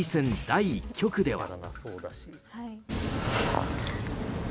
第１局では。